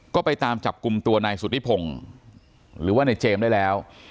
ก็ไปตามจับกลุ่มตัวนายสุธิพงศ์หรือว่าในเจมส์ได้แล้ว